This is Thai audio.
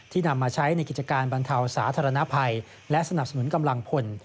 นำมาใช้ในกิจการบรรเทาสาธารณภัยและสนับสนุนกำลังพล